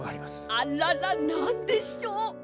あららなんでしょう？